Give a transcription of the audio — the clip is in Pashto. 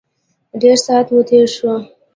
ډېر سات مو تېر شو.